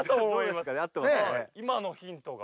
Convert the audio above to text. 今のヒントが。